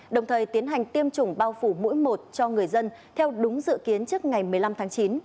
đồng thời tiến hành tiêm chủng bao phủ mũi một cho người dân theo đúng dự kiến trước ngày một mươi năm tháng chín